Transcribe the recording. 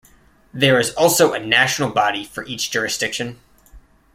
There is also a national body for each jurisdiction.